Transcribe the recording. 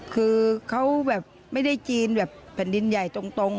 คือเขาแบบไม่ได้จีนแบบแผ่นดินใหญ่ตรง